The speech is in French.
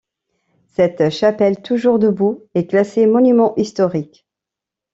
Cette chapelle, toujours debout, est classée monument historique.